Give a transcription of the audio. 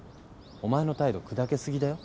お前の態度砕け過ぎだよ。